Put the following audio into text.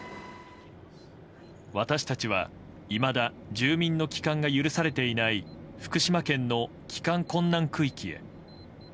私たちは、いまだ住民の帰還が許されていない福島県の帰還困難区域へ。